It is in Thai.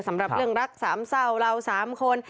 สำหรับเรื่องรักสามเศร้าเราสามคน